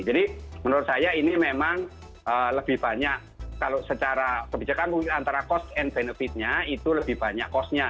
jadi menurut saya ini memang lebih banyak kalau secara kebijakan antara cost and benefitnya itu lebih banyak costnya